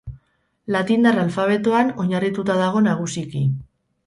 Latindar alfabetoan oinarrituta dago nagusiki.